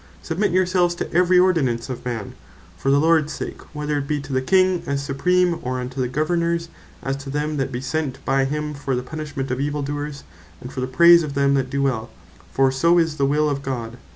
"Submit your selves to every Ordinance of Man, for the Lords sake, whether it bee to the King, as Supreme, or unto Governours, as to them that be sent by him for the punishment of evill doers, and for the praise of them that doe well; for so is the will of God."